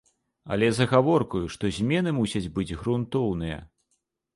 Але з агаворкаю, што змены мусяць быць грунтоўныя.